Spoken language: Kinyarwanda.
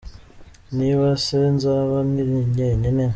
niba se nzaba nkiri jyenyine ?”.